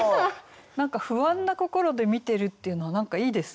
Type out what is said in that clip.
何か不安な心で見てるっていうのは何かいいですね。